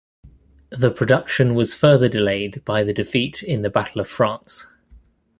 The production was further delayed by the defeat in the Battle of France.